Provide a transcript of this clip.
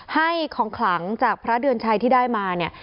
ให้ของขลังจากพระเดือนชัยที่ได้มาเนี่ย